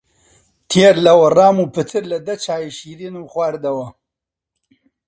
تێر لەوەڕام و پتر لە دە چای شیرنم خواردەوە